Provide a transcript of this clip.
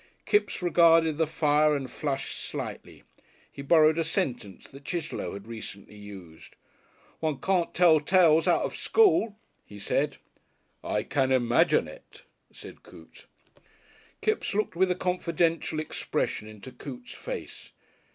Kipps regarded the fire and flushed slightly. He borrowed a sentence that Chitterlow had recently used. "One can't tell tales out of school," he said. "I can imagine it," said Coote. Kipps looked with a confidential expression into Coote's face.